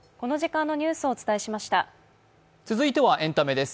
続いてはエンタメです。